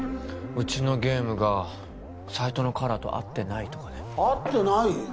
うちのゲームがサイトのカラーと合ってないとかで合ってない？